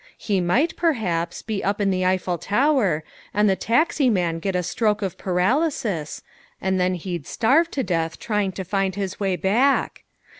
He might, perhaps, be up in the Eiffel Tower and the taxi man get a stroke of paralysis, and then he'd starve to death trying to find his way back.